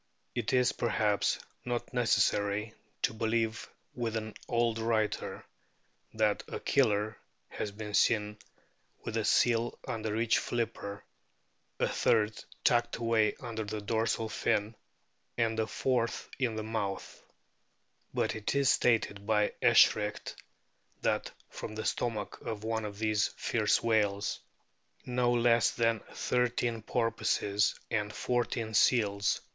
It is perhaps not necessary to believe with an old writer that a Killer has been seen with a seal under each flipper, a third tucked away under the dorsal fin, and a fourth in the mouth ; but it is stated by Eschricht that from the stomach of one of these fierce whales * See especially VAN BENEDEN, in Mem. Acad. Belg.